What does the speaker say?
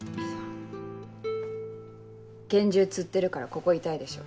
拳銃つってるからここ痛いでしょ。